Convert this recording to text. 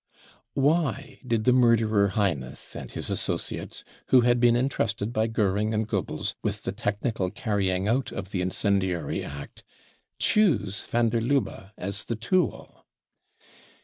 Why did the murderer Heines and his associates, who had b%en entrusted by Goering and Goebbels with the technical carrying out of the incendiary act, choose van der Lubbe as the tool